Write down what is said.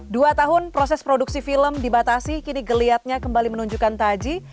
dua tahun proses produksi film dibatasi kini geliatnya kembali menunjukkan taji